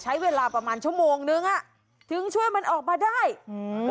ใช้เวลาประมาณชั่วโมงนึงอ่ะถึงช่วยมันออกมาได้อืม